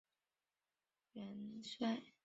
其子先且居继任晋中军元帅。